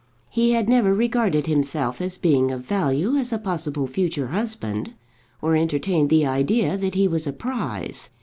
He had never regarded himself as being of value as a possible future husband, or entertained the idea that he was a prize.